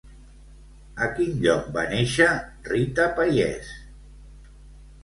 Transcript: A quin lloc va néixer Rita Payés?